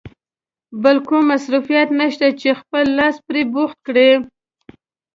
بل کوم مصروفیت نشته چې خپل لاس پرې بوخت کړې.